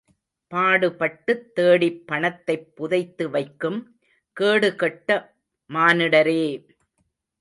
பாடுபட்டுத் தேடிப் பணத்தைப் புதைத்துவைக்கும் கேடுகெட்ட மானிடரே!